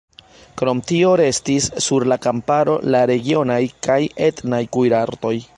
Krom tio restis sur la kamparo la regionaj kaj etnaj kuirartoj.